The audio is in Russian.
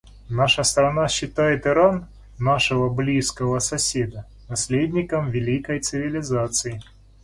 Наша страна считает Иран — нашего близкого соседа — наследником великой цивилизации.